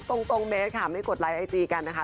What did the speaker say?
ตรงเบสค่ะไม่กดไลค์ไอจีกันนะคะ